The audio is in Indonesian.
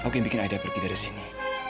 aku yang bikin aida pergi dari sini